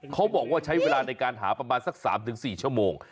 เขาบอกว่าใช้เวลาในการหาประมาณสัก๓๔ชั่วโมง